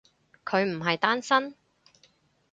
佢唔係單身？